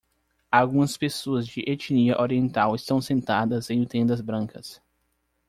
Algumas pessoas de etnia oriental estão sentadas em tendas brancas.